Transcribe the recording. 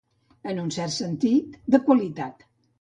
En un cert sentit, de qualitat.